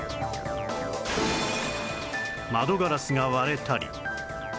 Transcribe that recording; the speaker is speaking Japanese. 窓ガラスが割れたり